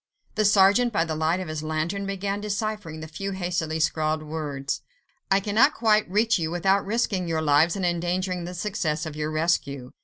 The sergeant, by the light of his lantern, began deciphering the few hastily scrawled words. "I cannot quite reach you, without risking your lives and endangering the success of your rescue.